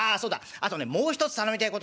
あとねもう一つ頼みてえことがあんだよ。